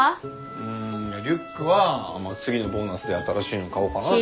うんリュックは次のボーナスで新しいの買おうかなと。